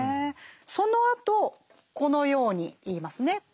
そのあとこのように言いますね。